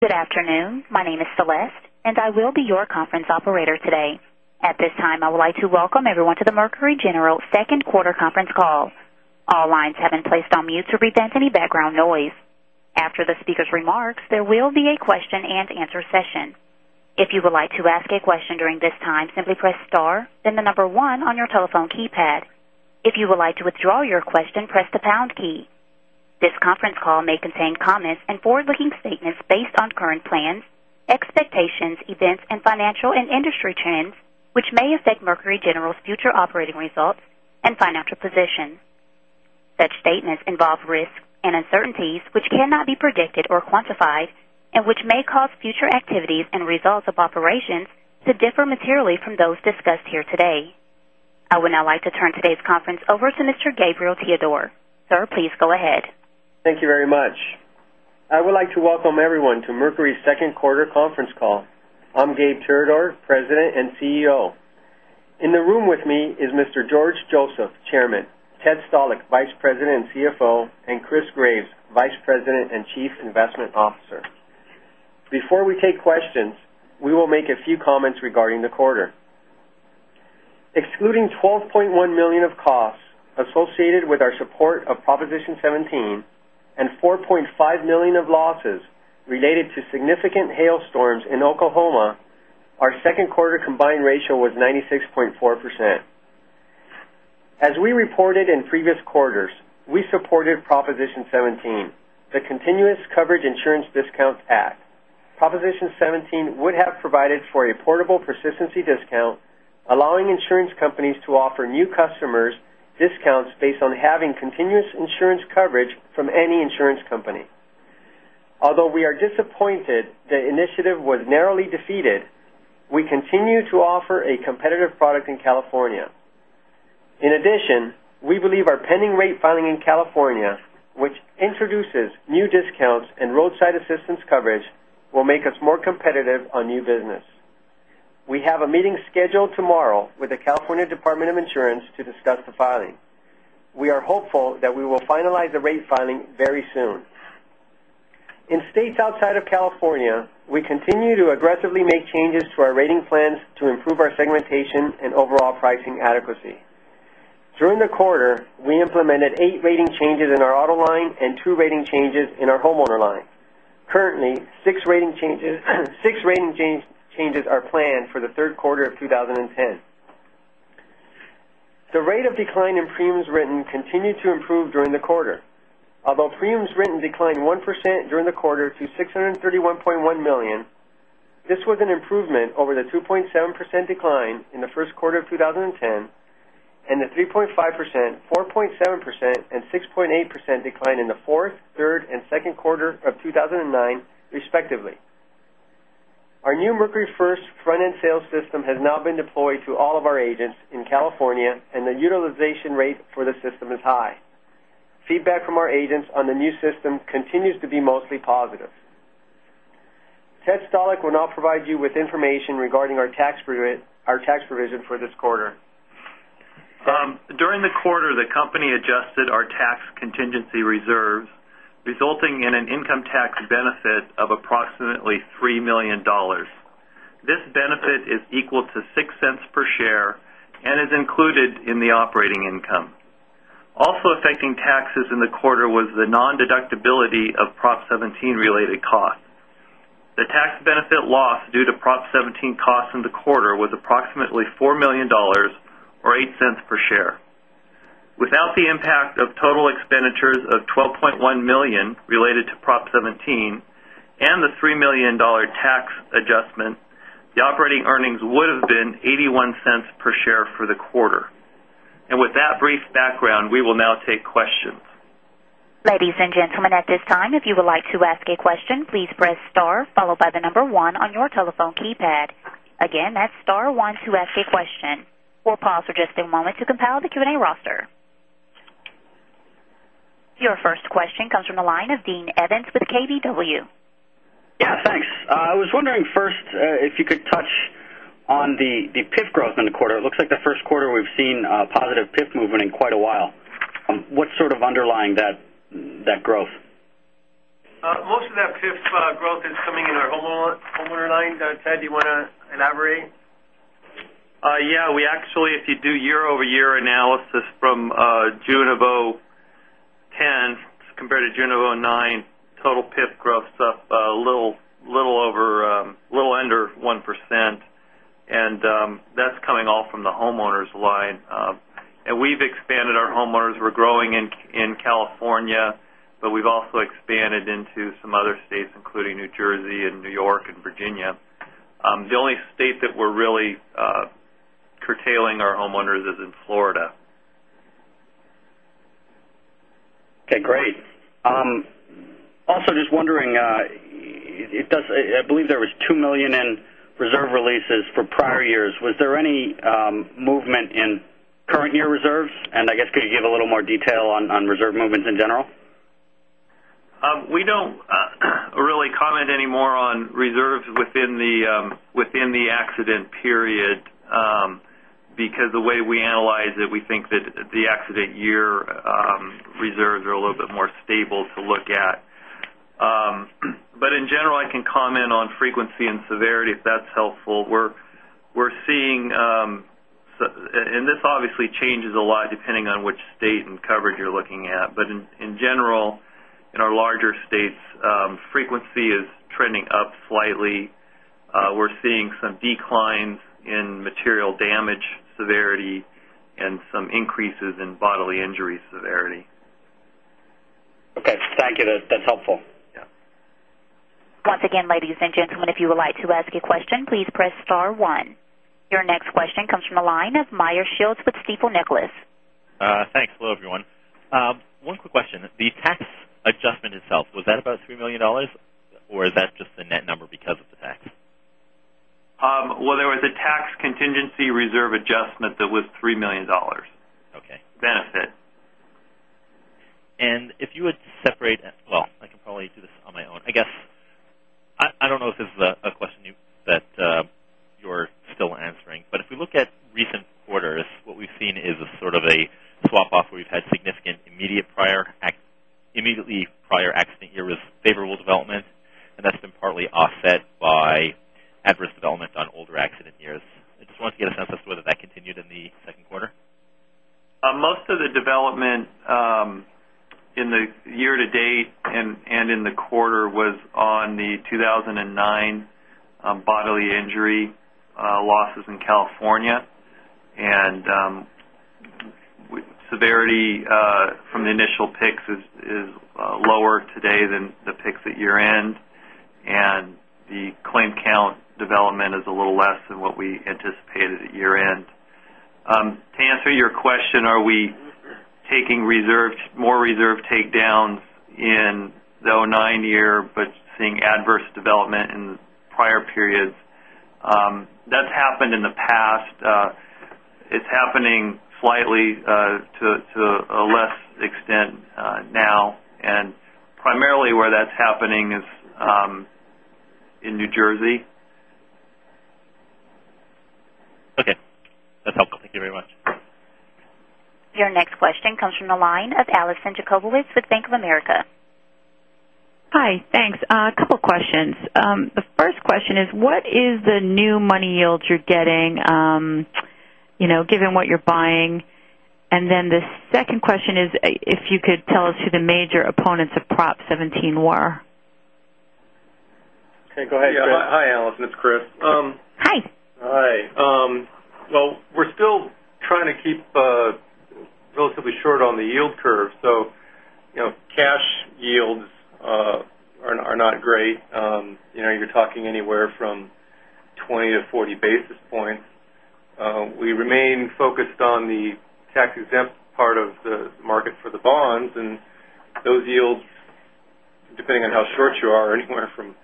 Good afternoon. My name is Celeste, and I will be your conference operator today. At this time, I would like to welcome everyone to the Mercury General second quarter conference call. All lines have been placed on mute to prevent any background noise. After the speaker's remarks, there will be a question and answer session. If you would like to ask a question during this time, simply press star, then the number one on your telephone keypad. If you would like to withdraw your question, press the pound key. This conference call may contain comments and forward-looking statements based on current plans, expectations, events, and financial and industry trends, which may affect Mercury General's future operating results and financial position. Such statements involve risks and uncertainties which cannot be predicted or quantified, and which may cause future activities and results of operations to differ materially from those discussed here today. I would now like to turn today's conference over to Mr. Gabriel Tirador. Sir, please go ahead. Thank you very much. I would like to welcome everyone to Mercury's second quarter conference call. I'm Gabe Tirador, President and CEO. In the room with me is Mr. George Joseph, Chairman, Ted Stalick, Vice President and CFO, and Chris Graves, Vice President and Chief Investment Officer. Before we take questions, we will make a few comments regarding the quarter. Excluding $12.1 million of costs associated with our support of Proposition 17 and $4.5 million of losses related to significant hailstorms in Oklahoma, our second quarter combined ratio was 96.4%. As we reported in previous quarters, we supported Proposition 17, the Continuous Coverage Insurance Discount Act. Proposition 17 would have provided for a portable persistency discount, allowing insurance companies to offer new customers discounts based on having continuous insurance coverage from any insurance company. Although we are disappointed the initiative was narrowly defeated, we continue to offer a competitive product in California. In addition, we believe our pending rate filing in California, which introduces new discounts and roadside assistance coverage, will make us more competitive on new business. We have a meeting scheduled tomorrow with the California Department of Insurance to discuss the filing. We are hopeful that we will finalize the rate filing very soon. In states outside of California, we continue to aggressively make changes to our rating plans to improve our segmentation and overall pricing adequacy. During the quarter, we implemented eight rating changes in our auto line and two rating changes in our homeowner line. Currently, six rating changes are planned for the third quarter of 2010. The rate of decline in premiums written continued to improve during the quarter. Although premiums written declined 1% during the quarter to $631.1 million, this was an improvement over the 2.7% decline in the first quarter of 2010, and the 3.5%, 4.7%, and 6.8% decline in the fourth, third, and second quarter of 2009 respectively. Our new Mercury First front-end sales system has now been deployed to all of our agents in California, and the utilization rate for the system is high. Feedback from our agents on the new system continues to be mostly positive. Ted Stalick will now provide you with information regarding our tax provision for this quarter. During the quarter, the company adjusted our tax contingency reserves, resulting in an income tax benefit of approximately $3 million. This benefit is equal to $0.06 per share and is included in the operating income. Also affecting taxes in the quarter was the non-deductibility of Prop 17 related costs. The tax benefit loss due to Prop 17 costs in the quarter was approximately $4 million, or $0.08 per share. Without the impact of total expenditures of $12.1 million related to Prop 17 and the $3 million tax adjustment, the operating earnings would have been $0.81 per share for the quarter. With that brief background, we will now take questions. Ladies and gentlemen, at this time, if you would like to ask a question, please press star followed by the number 1 on your telephone keypad. Again, that's star 1 to ask a question. We'll pause for just a moment to compile the Q&A roster. Your first question comes from the line of Dean Evans with KBW. Yeah, thanks. I was wondering first if you could touch on the PIF growth in the quarter. It looks like the first quarter we've seen a positive PIF movement in quite a while. What's sort of underlying that growth? Most of that PIF growth is coming in our homeowner line. Ted, do you want to elaborate? Yeah. If you do year-over-year analysis from June of 2010 compared to June of 2009, total PIF growth's up a little under 1%, that's coming all from the homeowners line. We've expanded our homeowners. We're growing in California, but we've also expanded into some other states, including New Jersey and New York and Virginia. The only state that we're really curtailing our homeowners is in Florida. Okay, great. Also, just wondering. I believe there was $2 million in reserve releases for prior years. Was there any movement in current year reserves? I guess, could you give a little more detail on reserve movements in general? We don't really comment anymore on reserves within the accident period. The way we analyze it, we think that the accident year reserves are a little bit more stable to look at. In general, I can comment on frequency and severity, if that's helpful. We're seeing, this obviously changes a lot depending on which state and coverage you're looking at, but in general, in our larger states, frequency is trending up slightly. We're seeing some declines in material damage severity and some increases in bodily injury severity. Okay. Thank you. That is helpful. Yeah. Once again, ladies and gentlemen, if you would like to ask a question, please press star one. Your next question comes from the line of Meyer Shields with Stifel Nicolaus. Thanks. Hello, everyone. One quick question. The tax adjustment itself, was that about three million dollars, or is that just the net number because of the tax? Well, there was a tax contingency reserve adjustment that was three million dollars. Okay. Benefit. If you would separate. Well, I can probably do this on my own. I don't know if this is a question that you're still answering, but if we look at recent quarters, what we've seen is a sort of a swap-off where we've had significant immediately prior accident year with favorable development, that's been partly offset by adverse development on older accident years. I just wanted to get a sense of whether that continued in the second quarter. Most of the development in the year to date and in the quarter was on the 2009 bodily injury losses in California. Severity from the initial picks is lower today than the picks at year-end, the claim count development is a little less than what we anticipated at year-end. To answer your question, are we taking more reserve takedowns in the 2009 year but seeing adverse development in prior periods? That's happened in the past. It's happening slightly to a less extent now, and primarily where that's happening is in New Jersey. Okay. That's helpful. Thank you very much. Your next question comes from the line of Alison Jacobowitz with Bank of America. Hi. Thanks. A couple questions. The first question is, what is the new money yields you're getting, given what you're buying? The second question is, if you could tell us who the major opponents of Prop 17 were? Okay, go ahead, Chris. Yeah. Hi, Alison. It's Chris. Hi. Hi. Well, we're still trying to keep relatively short on the yield curve, so cash yields are not great. You're talking anywhere from 20-40 basis points. We remain focused on the tax-exempt part of the market for the bonds, those yields, depending on how short you are, anywhere from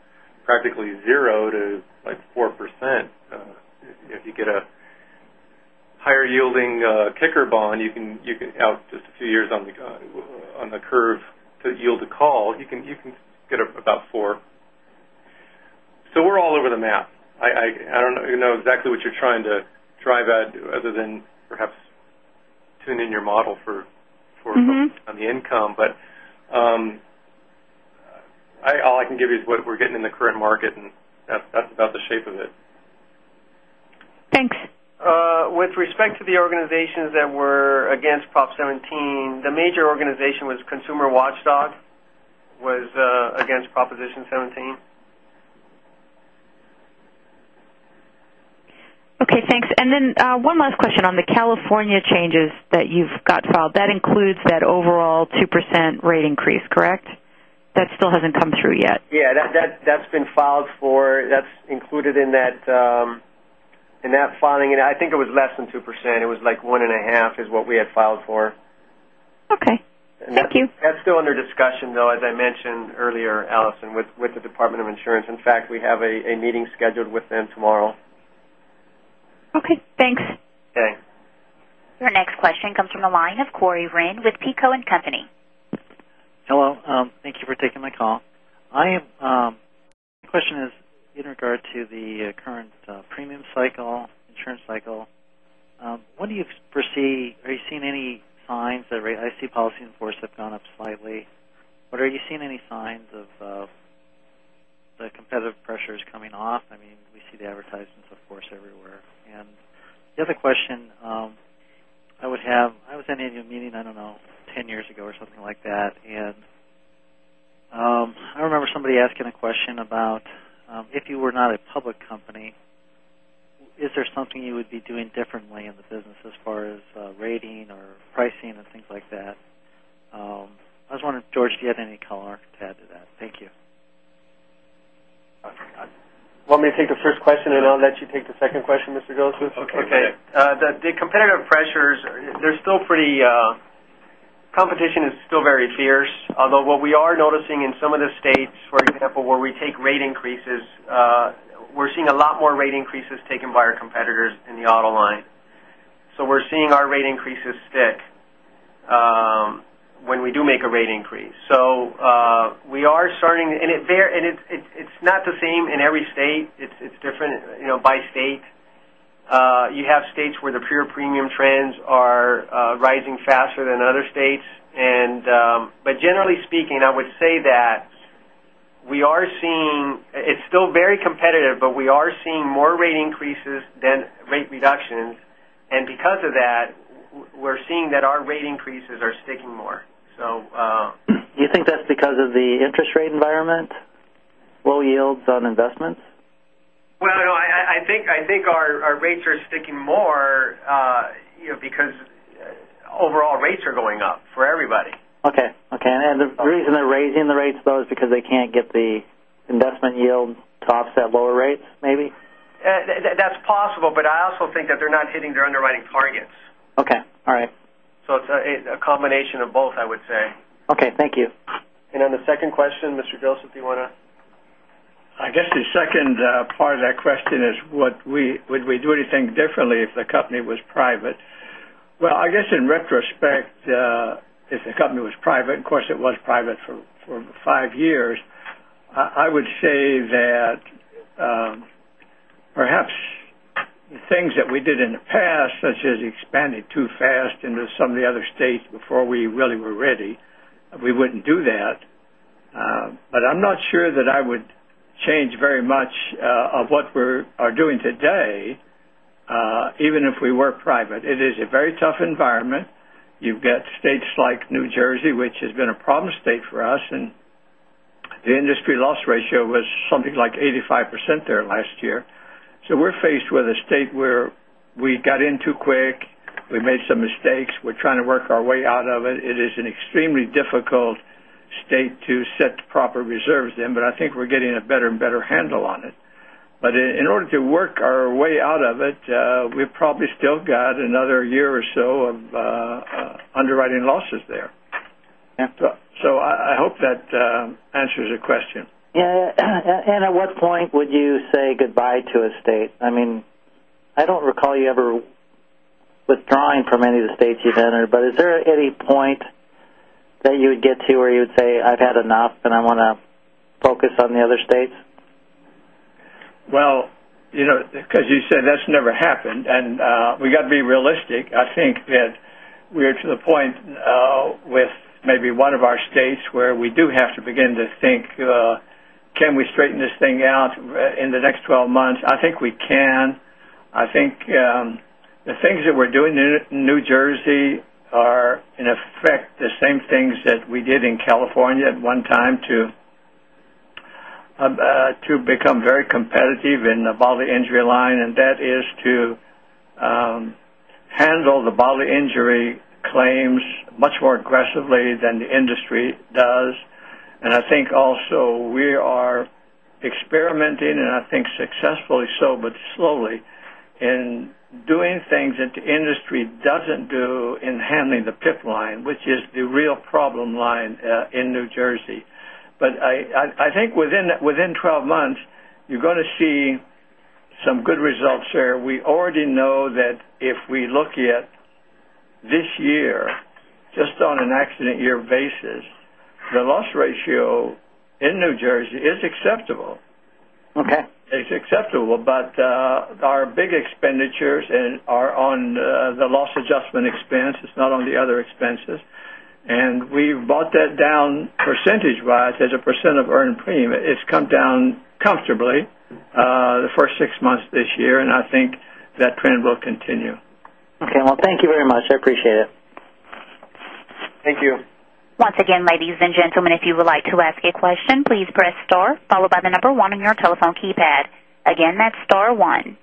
practically zero to 4%. If you get a higher yielding kicker bond out just a few years on the curve to yield to call, you can get about four. We're all over the map. I don't know exactly what you're trying to drive at other than perhaps tune in your model for- on the income. All I can give you is what we're getting in the current market, and that's about the shape of it. Thanks. With respect to the organizations that were against Proposition 17, the major organization was Consumer Watchdog, was against Proposition 17. Okay, thanks. Then one last question on the California changes that you've got filed. That includes that overall 2% rate increase, correct? That still hasn't come through yet. Yeah. That's been filed for. That's included in that filing, and I think it was less than 2%. It was like one and a half is what we had filed for. Okay. Thank you. That's still under discussion, though, as I mentioned earlier, Alison, with the Department of Insurance. In fact, we have a meeting scheduled with them tomorrow. Okay, thanks. Okay. Your next question comes from the line of Corey Wren with PICO Holdings, Inc.. Hello. Thank you for taking my call. My question is in regard to the current premium cycle, insurance cycle. Are you seeing any signs that I see policies in force have gone up slightly. Are you seeing any signs of the competitive pressures coming off? We see the advertisements, of course, everywhere. The other question I would have, I was in a meeting, I don't know, 10 years ago or something like that, and I remember somebody asking a question about, if you were not a public company, is there something you would be doing differently in the business as far as rating or pricing and things like that? I was wondering, George, if you had any color to add to that. Thank you. You want me to take the first question, and I'll let you take the second question, Mr. Joseph? Okay. The competitive pressures, competition is still very fierce, although what we are noticing in some of the states, for example, where we take rate increases, we're seeing a lot more rate increases taken by our competitors in the auto line. We're seeing our rate increases stick. We do make a rate increase. We are starting, it's not the same in every state. It's different by state. You have states where the pure premium trends are rising faster than other states. Generally speaking, I would say that it's still very competitive, but we are seeing more rate increases than rate reductions, and because of that, we're seeing that our rate increases are sticking more. Do you think that's because of the interest rate environment? Low yields on investments? Well, no, I think our rates are sticking more because overall rates are going up for everybody. Okay. The reason they're raising the rates, though, is because they can't get the investment yield to offset lower rates, maybe? That's possible, but I also think that they're not hitting their underwriting targets. Okay. All right. It's a combination of both, I would say. Okay, thank you. The second question, Mr. Joseph, if you want to. I guess the second part of that question is would we do anything differently if the company was private? I guess in retrospect, if the company was private, of course, it was private for five years. I would say that perhaps the things that we did in the past, such as expanding too fast into some of the other states before we really were ready, we wouldn't do that. I'm not sure that I would change very much of what we are doing today even if we were private. It is a very tough environment. You've got states like New Jersey, which has been a problem state for us, and the industry loss ratio was something like 85% there last year. We're faced with a state where we got in too quick. We made some mistakes. We're trying to work our way out of it. It is an extremely difficult state to set the proper reserves in, I think we're getting a better and better handle on it. In order to work our way out of it, we've probably still got another year or so of underwriting losses there. Yeah. I hope that answers your question. Yeah. At what point would you say goodbye to a state? I don't recall you ever withdrawing from any of the states you've entered. Is there any point that you would get to where you would say, "I've had enough, and I want to focus on the other states? Well, because you said that's never happened, we got to be realistic. I think that we're to the point now with maybe one of our states where we do have to begin to think, can we straighten this thing out in the next 12 months? I think we can. I think the things that we're doing in New Jersey are, in effect, the same things that we did in California at one time to become very competitive in the bodily injury line, that is to handle the bodily injury claims much more aggressively than the industry does. I think also we are experimenting, I think successfully so, but slowly, in doing things that the industry doesn't do in handling the PIP line, which is the real problem line in New Jersey. I think within 12 months, you're going to see some good results there. We already know that if we look at this year, just on an accident year basis, the loss ratio in New Jersey is acceptable. Okay. It's acceptable, our big expenditures are on the loss adjustment expense. It's not on the other expenses. We've brought that down percentage-wise. As a percent of earned premium, it's come down comfortably the first six months this year, I think that trend will continue. Okay. Well, thank you very much. I appreciate it. Thank you. Once again, ladies and gentlemen, if you would like to ask a question, please press star followed by the number one on your telephone keypad. Again, that's star one.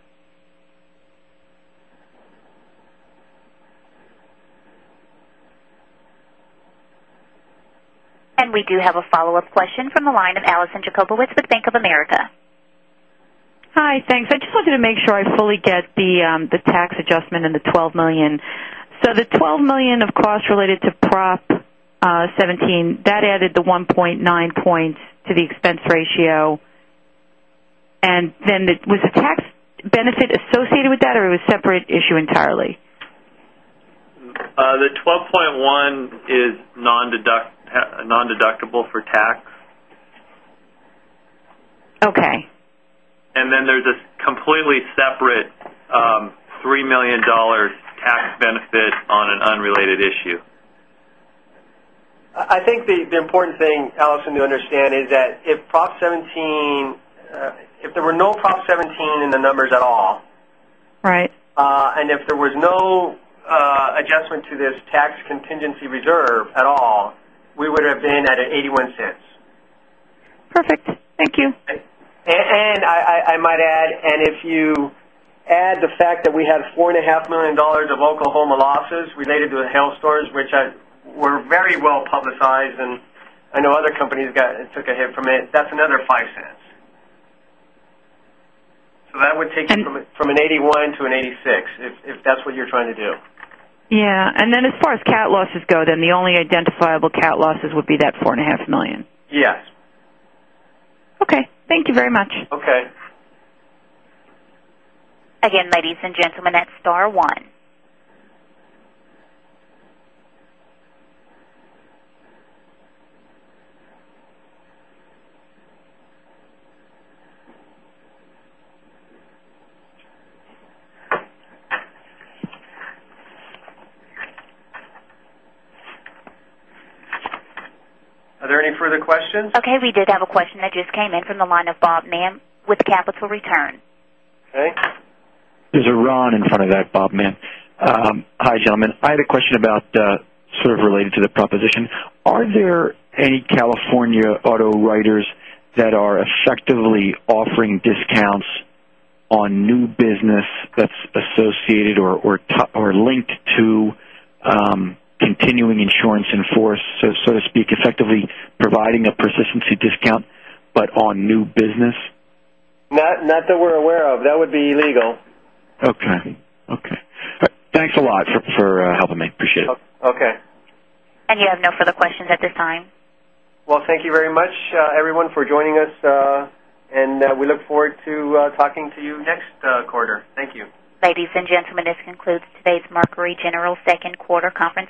We do have a follow-up question from the line of Alison Jacobowitz with Bank of America. Hi, thanks. I just wanted to make sure I fully get the tax adjustment and the $12 million. The $12 million of costs related to Prop 17, that added the 1.9 points to the expense ratio. Then was the tax benefit associated with that, or it was a separate issue entirely? The $12.1 is non-deductible for tax. Okay. Then there's this completely separate $3 million tax benefit on an unrelated issue. I think the important thing, Alison, to understand is that if there were no Prop 17 in the numbers at all. Right. If there was no adjustment to this tax contingency reserve at all, we would have been at an $0.81. Perfect. Thank you. I might add, if you add the fact that we had $4.5 million of Oklahoma losses related to the hail storms, which were very well-publicized, I know other companies took a hit from it, that's another $0.05. That would take you from an 81 to an 86, if that's what you're trying to do. Yeah. As far as cat losses go, the only identifiable cat losses would be that $4.5 million. Yes. Okay. Thank you very much. Okay. Again, ladies and gentlemen, that's star one. Are there any further questions? Okay, we did have a question that just came in from the line of Bob Mann with Capital Return. Okay. There's a Ron in front of that Bob Mann. Hi, gentlemen. I had a question sort of related to the Proposition. Are there any California auto writers that are effectively offering discounts on new business that's associated or linked to continuing insurance in force, so to speak, effectively providing a persistency discount, but on new business? Not that we're aware of. That would be illegal. Okay. Thanks a lot for helping me. Appreciate it. Okay. You have no further questions at this time. Well, thank you very much, everyone, for joining us. We look forward to talking to you next quarter. Thank you. Ladies and gentlemen, this concludes today's Mercury General second quarter conference call.